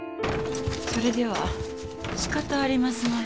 それではしかたありますまい。